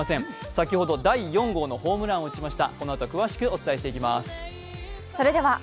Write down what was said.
先ほど第４号のホームランを打ちました。